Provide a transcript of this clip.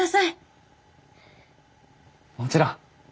もちろん。